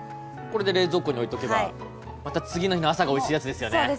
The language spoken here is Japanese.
これで冷蔵庫に置いとけばまた次の日の朝がおいしいやつですよね。